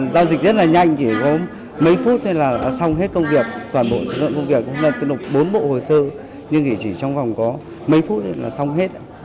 giao dịch rất là nhanh chỉ có mấy phút thôi là xong hết công việc toàn bộ xong hết công việc bốn bộ hồ sơ nhưng chỉ trong vòng có mấy phút là xong hết